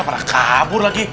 lah malah kabur lagi